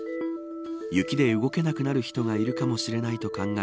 雪で動けなくなる人がいるかもしれないと考え